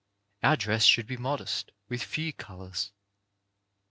Our dress should be modest ; with few colours.